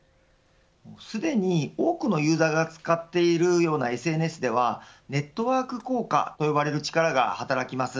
すでに多くのユーザーが使っているようなＳＮＳではネットワーク効果と呼ばれる力が働きます。